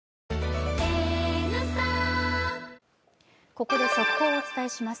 ここで速報をお伝えします。